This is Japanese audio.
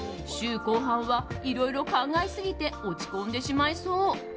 週後半はいろいろ考えすぎて落ち込んでしまいそう。